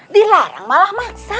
dilarang malah maksa